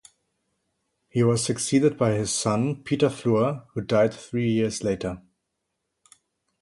He was succeeded by his son Peter Fluor, who died three years later.